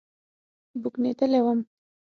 بوږنېدلى وم.